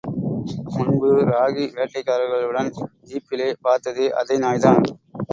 முன்பு ராகி வேட்டைக்காரர்களுடன் ஜீப்பிலே பார்த்ததே, அதே நாய்தான்!